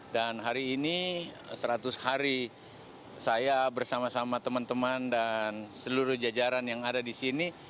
dan hari ini seratus hari saya bersama sama teman teman dan seluruh jajaran yang ada di sini